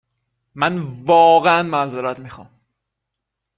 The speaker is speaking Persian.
من واقعا معذرت می خوام